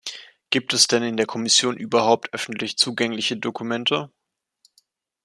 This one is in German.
Gibt es denn in der Kommission überhaupt öffentlich zugängliche Dokumente?